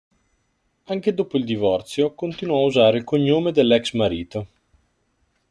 Anche dopo il divorzio continuò a usare il cognome dell'ex marito.